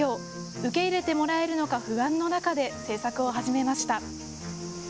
受け入れてもらえるのか、不安の中で製作を始めました。